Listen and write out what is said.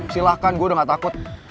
silahkan gue udah gak takut